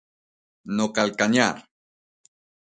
No calcañar.